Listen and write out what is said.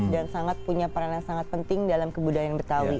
dan sangat punya peran yang sangat penting dalam kebudayaan betawi